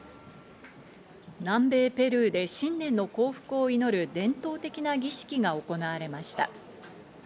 南米ペルーで新年の幸福を祈る伝統的な儀式が行われました。